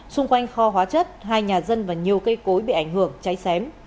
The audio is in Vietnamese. xung quanh kho hóa chất hai nhà dân và nhiều cây cối bị ảnh hưởng cháy xém